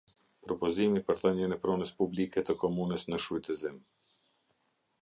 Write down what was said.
Propozimi për dhënien e pronës publike të Komunës në shfrytëzim.